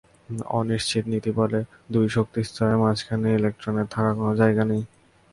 অনিশ্চয়তা–নীতি বলে, দুই শক্তিস্তরের মাঝখানে ইলেকট্রনের থাকার কোনো জায়গা নেই।